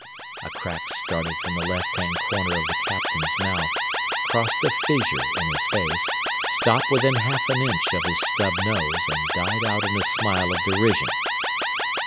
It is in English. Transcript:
A crack started from the left hand corner of the Captain's mouth, crossed a fissure in his face, stopped within half an inch of his stub nose, and died out in a smile of derision.